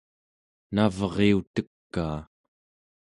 navriutekaa